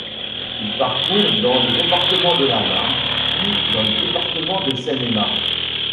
Il parcourt dans le département de la Marne, puis dans le département de Seine-et-Marne.